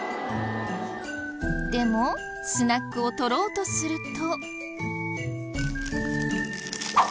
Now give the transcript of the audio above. でもスナックを取ろうとすると。